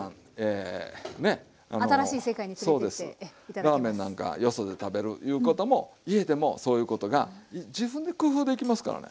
ラーメンなんかよそで食べるいうことも家でもそういうことが自分で工夫できますからね。